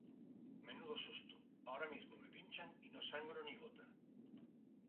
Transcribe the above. ¡Menudo susto! Ahora mismo me pinchan y no sangro ni gota